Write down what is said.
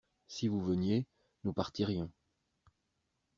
Si vous veniez, nous partirions.